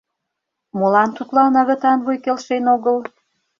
Молан тудлан агытан вуй келшен огыл?